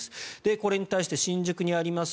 これに対して新宿にあります